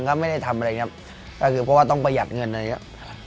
ก็ไม่ได้ทำอะไรอย่างเงี้ยก็คือเพราะว่าต้องประหยัดเงินอะไรอย่างเงี้ย